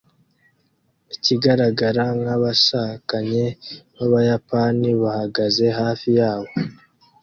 Ikigaragara nkabashakanye b'Abayapani bahagaze hafi yabo